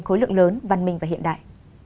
khối lượng lớn văn minh và hiện đại